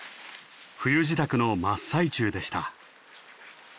冬支度の真っ最中でした。